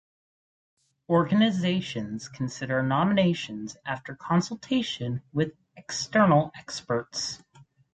Organisations consider nominations after consultation with external experts.